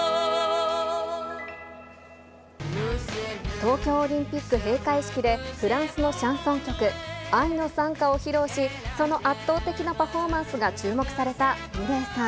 東京オリンピック閉会式で、フランスのシャンソン曲、愛の讃歌を披露し、その圧倒的なパフォーマンスが注目されたミレイさん。